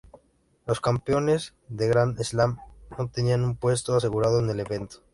Los campeones de Gran Slam, no tenían un puesto asegurado en el evento.